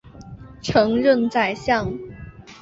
曾任宰相。